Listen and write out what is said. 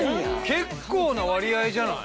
結構な割合じゃない？